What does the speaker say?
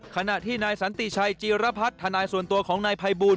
ขณะที่นายสันติชัยจีรพัฒน์ทนายส่วนตัวของนายภัยบูล